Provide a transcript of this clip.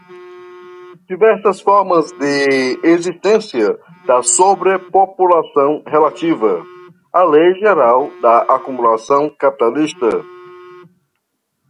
Diversas formas de existência da sobrepopulação relativa. A lei geral da acumulação capitalista